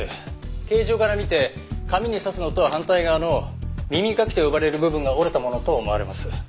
形状から見て髪に挿すのとは反対側の耳かきと呼ばれる部分が折れたものと思われます。